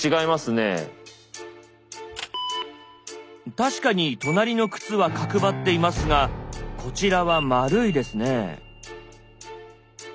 確かに隣の靴は角張っていますがこちらは丸いですね。